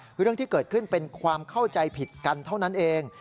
คือเรื่องที่เกิดขึ้นเป็นความเข้าใจผิดกันเท่านั้นเอง